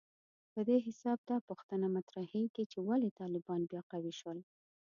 په دې حساب دا پوښتنه مطرحېږي چې ولې طالبان بیا قوي شول